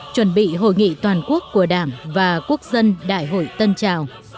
chuẩn bị hội nghị toàn quốc của đảng và quốc dân đại hội tân trào